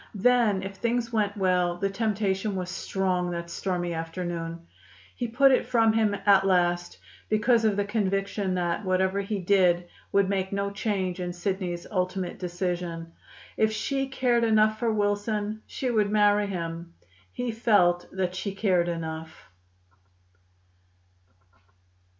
Then if things went well the temptation was strong that stormy afternoon. He put it from him at last, because of the conviction that whatever he did would make no change in Sidney's ultimate decision. If she cared enough for Wilson, she would marry him. He felt that she cared enough.